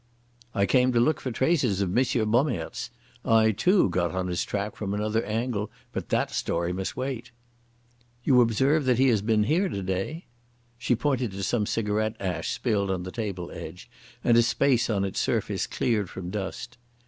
"I came to look for traces of M. Bommaerts. I, too, got on his track from another angle, but that story must wait." "You observe that he has been here today?" She pointed to some cigarette ash spilled on the table edge, and a space on its surface cleared from dust.